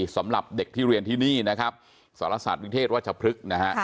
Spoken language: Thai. สำหรับเด็กที่เรียนที่นี่นะครับสารศาสตร์วิเทศวัชพฤกษ์นะฮะ